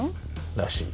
らしい